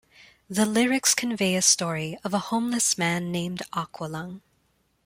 The lyrics convey a story of a homeless man named Aqualung.